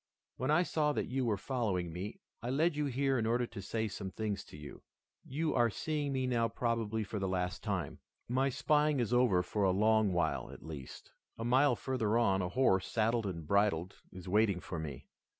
When I saw that you were following me, I led you here in order to say some things to you. You are seeing me now probably for the last time. My spying is over for a long while, at least. A mile further on, a horse, saddled and bridled, is waiting for me.